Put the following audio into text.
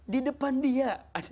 di depan dia